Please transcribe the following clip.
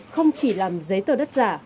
không chỉ làm giấy tờ đất giả